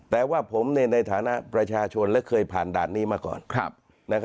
แต่ว่าผมในฐานะประชาชนและเคยผ่านด่านนี้มาก่อน